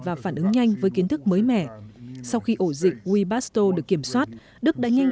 và phản ứng nhanh với kiến thức mới mẻ sau khi ổ dịch webasto được kiểm soát đức đã nhanh